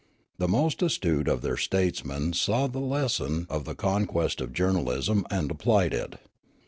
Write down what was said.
The most astute of their statesmen saw the lesson of the conquest of journalism and applied it.